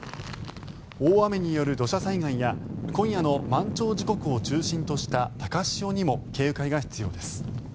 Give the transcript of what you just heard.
大雨による土砂災害や今夜の満潮時刻を中心とした高潮にも警戒が必要です。